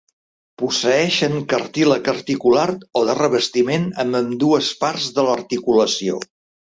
Posseeixen cartílag articular o de revestiment en ambdues parts de l'articulació.